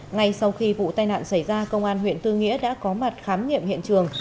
ngay sau khi vụ tai nạn xảy ra công an huyện tư nghĩa đã có mặt khám nghiệm hiện trường